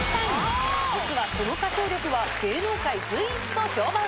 実はその歌唱力は芸能界随一と評判。